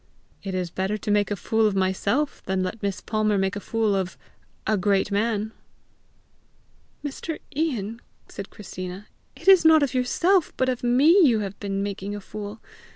"It is better to make a fool of myself, than let Miss Palmer make a fool of a great man!" "Mr. Ian," said Christina, "it is not of yourself but of me you have been making a fool.